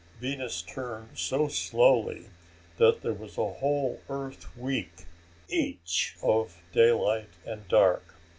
Venus turned so slowly that there was a whole Earth week each of daylight and dark.